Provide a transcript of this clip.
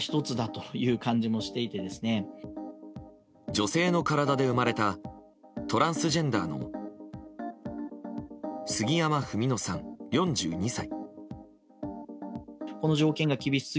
女性の体で生まれたトランスジェンダーの杉山文野さん、４２歳。